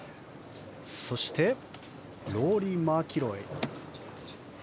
そして、ローリー・マキロイ。